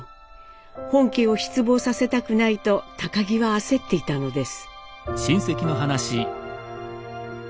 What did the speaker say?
本家を失望させたくないと儀は焦っていたのです。